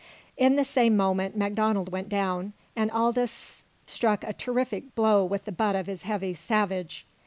In that same moment MacDonald went down, and Aldous struck a terrific blow with the butt of his heavy Savage.